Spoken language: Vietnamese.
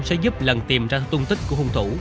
sẽ giúp lần tìm ra tung tích của hung thủ